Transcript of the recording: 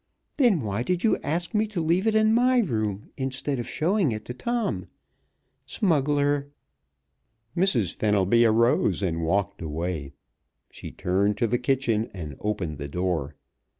"Then why did you ask me to leave it in my room, instead of showing it to Tom? Smuggler!" Mrs. Fenelby arose and walked away. She turned to the kitchen and opened the door.